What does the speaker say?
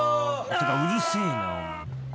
てかうるせえな